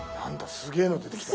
すげえの出てきた。